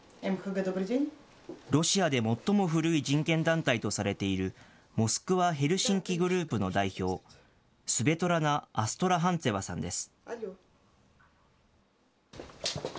ロシアで最も古い人権団体とされている、モスクワ・ヘルシンキ・グループの代表、スベトラナ・アストラハンツェワさんです。